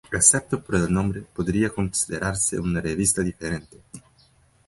Excepto por el nombre, podría considerarse una revista diferente.